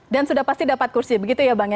dan sudah pasti dapat kursi begitu ya bang